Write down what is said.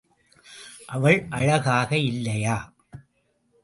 அவள் அழகாக இல்லையா?